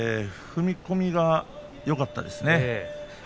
踏み込みがよかったです。